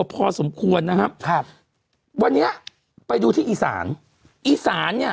ภูทับเบิกน้ำยังมีอ้าว